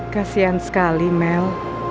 kasian sekali mel